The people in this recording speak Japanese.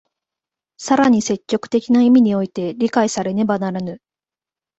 更に積極的な意味において理解されねばならぬ。